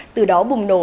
từ đó bùng nổ